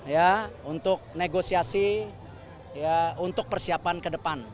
ya untuk negosiasi ya untuk persiapan ke depan